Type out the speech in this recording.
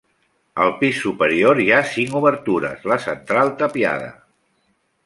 Al pis superior hi ha cinc obertures, la central tapiada.